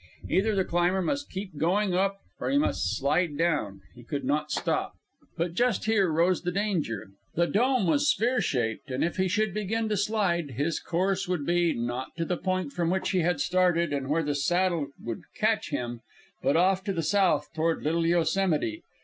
Either the climber must keep going up, or he must slide down; he could not stop. But just here rose the danger. The Dome was sphere shaped, and if he should begin to slide, his course would be, not to the point from which he had started and where the Saddle would catch him, but off to the south toward Little Yosemite.